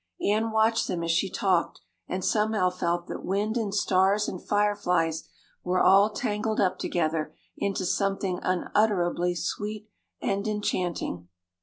Anne watched them as she talked and somehow felt that wind and stars and fireflies were all tangled up together into something unutterably sweet and enchanting.